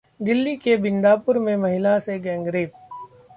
दिल्ली के बिंदापुर में महिला से गैंगरेप